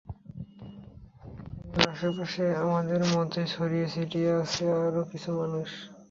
আমার আশে পাশে আমাদের মতোই ছড়িয়ে ছিটিয়ে আছে আরও কিছু মানুষ।